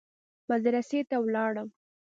مدرسې ته ولاړم.